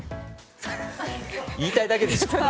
言いたいだけでしょ。